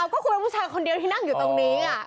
ก็คุณเป็นผู้ชายคนเดียวที่นั่งอยู่ตรงนี้